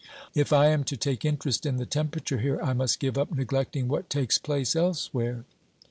More over, if I am to take interest in the temperature here, I must give up neglecting what takes place elsewhere.